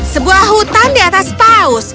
sebuah hutan di atas paus